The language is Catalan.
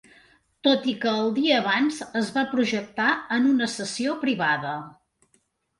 Tot i que el dia abans es va projectar en una sessió privada.